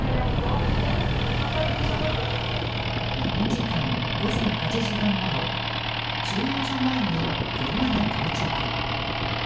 日本時間午前８時半ごろ収容所前に車が到着。